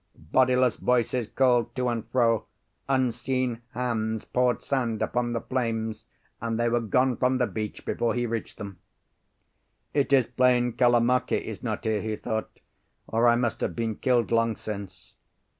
Bodiless voices called to and fro; unseen hands poured sand upon the flames; and they were gone from the beach before he reached them. "It is plain Kalamake is not here," he thought, "or I must have been killed long since."